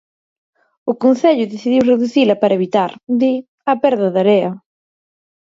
O Concello decidiu reducila para evitar, di, a perda de area.